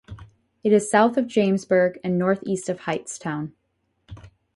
It is south of Jamesburg and northeast of Hightstown.